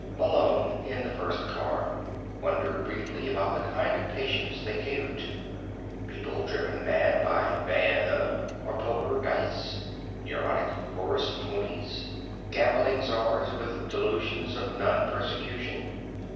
Malone, in the first car, wondered briefly about the kind of patients they catered to? People driven mad by vingt et un or poker dice? Neurotic chorus ponies? Gambling czars with delusions of non persecution?